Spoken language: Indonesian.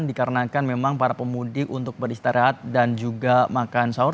dikarenakan memang para pemudik untuk beristirahat dan juga makan sahur